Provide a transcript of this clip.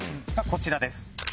こちらです。